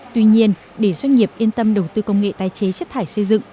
tuy nhiên để doanh nghiệp yên tâm đầu tư công nghệ tái chế chất thải xây dựng